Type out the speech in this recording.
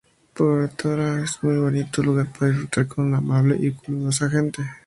Pontevedra es muy bonito lugar para disfrutar con una amable y calurosa gente.